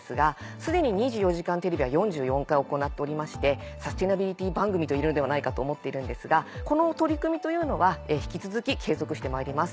既に『２４時間テレビ』は４４回行っておりましてサステナビリティ番組といえるんではないかと思っているんですがこの取り組みというのは引き続き継続してまいります。